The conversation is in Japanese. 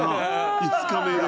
５日目で。